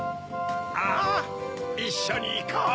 ああいっしょにいこう！